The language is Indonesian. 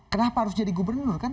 kenapa harus jadi gubernur kan